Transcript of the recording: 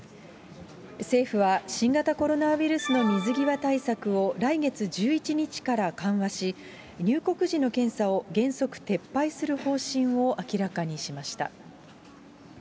政府は新型コロナウイルスの水際対策を来月１１日から緩和し、入国時の検査を原則撤廃する方針を明らかにしました。